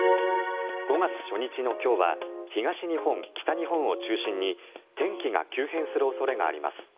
５月初日の今日は東日本、北日本を中心に天気が急変する恐れがあります。